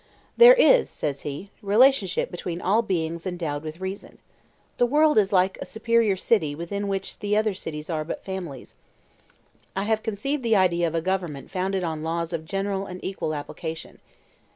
"There is," says he, "relationship between all beings endowed with reason. The world is like a superior city within which the other cities are but families. ... I have conceived the idea of a government founded on laws of general and equal application.